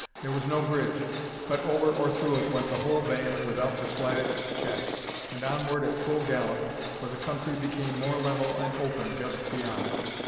There was no bridge, but over or through it went the whole band without the slightest check, and onward at full gallop, for the country became more level and open just beyond.